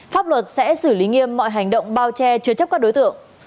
pháp luật sẽ xử lý nghiêm mọi hành động bao che chứa chấp các đối tượng